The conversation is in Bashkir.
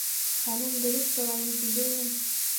Хәлен белеп сығайым тигәйнем...